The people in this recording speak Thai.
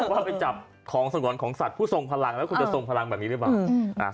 ว่าไปจับของสงวนของสัตว์ผู้ทรงพลังแล้วคุณจะทรงพลังแบบนี้หรือเปล่า